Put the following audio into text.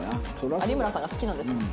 有村さんが好きなんですもん。